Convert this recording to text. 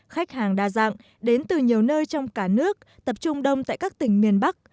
khách hàng đa dạng đến từ nhiều nơi trong cả nước tập trung đông tại các tỉnh miền bắc